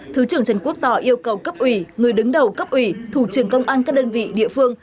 thứ trưởng trần quốc tỏ yêu cầu cấp ủy người đứng đầu cấp ủy thủ trưởng công an các đơn vị địa phương